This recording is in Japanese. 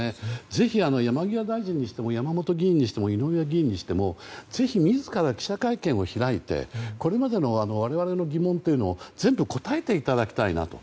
ぜひ、山際大臣にしても山本議員、井上議員にしてもぜひ自ら記者会見を開いてこれまでの我々の疑念を全部答えていただきたいと。